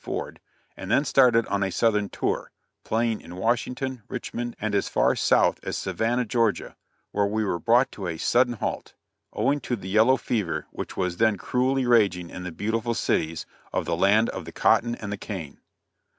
Ford, and then started on a southern tour, playing in Washington, Richmond and as far south as Savannah, Georgia, where we were brought to a sudden halt, owing to the yellow fever which was then cruelly raging in the beautiful cities of the "Land of the cotton and the cane." [Illustration: ONE OF THE TROUPE.